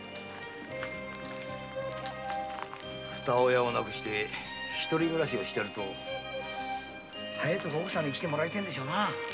二親を亡くして一人暮らしをしてると早いとこ奥さんに来てもらいてぇんでしょう。